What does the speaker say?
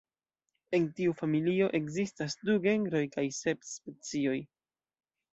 En tiu familio ekzistas du genroj kaj sep specioj.